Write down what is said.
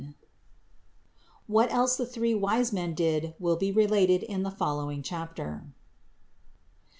What else the three wise men did will be related in the following chapter.